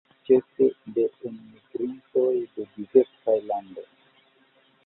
La lernejoj estas ĉefe de enmigrintoj de diversaj landoj.